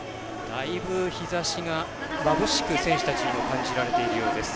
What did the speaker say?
だいぶ日ざしがまぶしく選手たちにも感じられているようです。